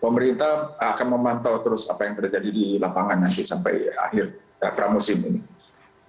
pemerintah akan memantau terus apa yang terjadi di lapangan nanti sampai akhir pramusim ini